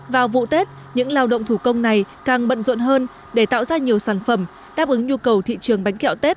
vào vụ tết những lao động thủ công này càng bận rộn hơn để tạo ra nhiều sản phẩm đáp ứng nhu cầu thị trường bánh kẹo tết